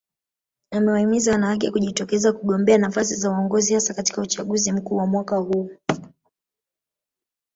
Amewahimiza wanawake kujitokeza kugombea nafasi za uongozi hasa katika uchaguzi mkuu wa mwaka huu